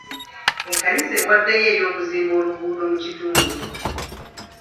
Ekkanisa ewaddeyo eri okuzimba oluguudo mu kitundu.